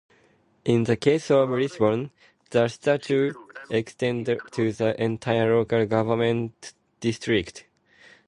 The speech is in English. In the case of Lisburn, the status extends to the entire local government district.